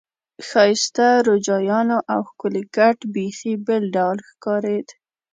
ښایسته روجایانو او ښکلي کټ بیخي بېل ډول ښکارېد.